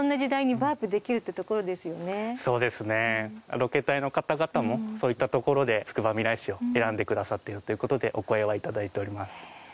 ロケ隊の方々もそういったところでつくばみらい市を選んでくださってるということでお声はいただいております